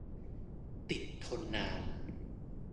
ติดทนนาน